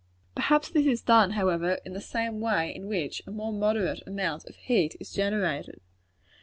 Perhaps this is done, however, in the same way in which a more moderate amount of heat is generated.